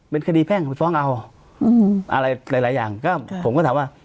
ไปร้องศูนย์อังกฎธรรม